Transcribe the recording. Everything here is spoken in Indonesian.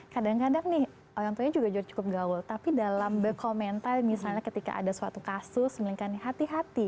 kadang kadang nih orang tuanya juga cukup gaul tapi dalam berkomentar misalnya ketika ada suatu kasus melainkan hati hati